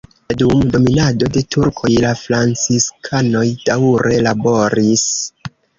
Dum dominado de turkoj la franciskanoj daŭre laboris.